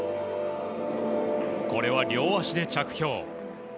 これは両足で着氷。